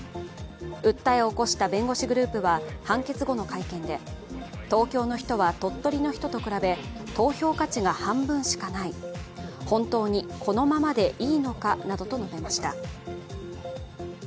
訴えを起こした弁護士グループは判決後の会見で東京の人は鳥取の人と比べ投票価値が半分しかない、本当にこのままでいいのかなどと述べました。